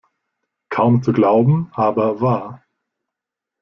Kaum zu glauben, aber wahr!